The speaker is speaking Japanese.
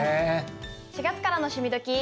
４月からの「趣味どきっ！」。